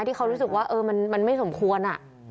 ที่เขารู้สึกว่ามันไม่สมควร